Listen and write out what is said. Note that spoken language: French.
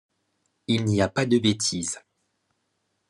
Il n'y a pas de bêtises.